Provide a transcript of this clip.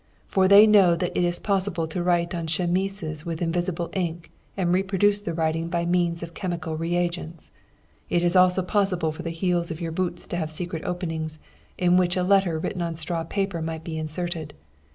For they know that it is possible to write on chemises with invisible ink and reproduce the writing by means of chemical re agents. It is also possible for the heels of your boots to have secret openings, in which a letter written on straw paper might be inserted.